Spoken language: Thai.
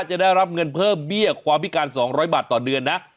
จะได้รับเงินเพิ่มเบี้ยความพิการ๒๐๐บาทต่อเดือนนะ